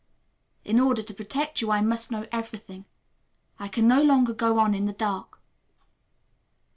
In order to protect you I must know everything. I can no longer go on in the dark."